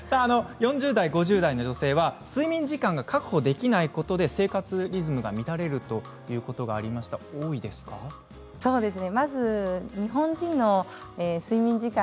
４０代５０代の女性は睡眠時間が確保できないことで生活リズムが乱れるということがありました、多いですか。